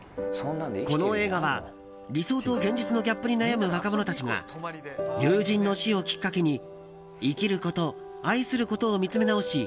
この映画は、理想と現実のギャップに悩む若者たちが友人の死をきっかけに生きること愛することを見つめ直し